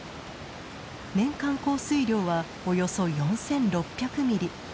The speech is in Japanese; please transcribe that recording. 年間降水量はおよそ４，６００ミリ。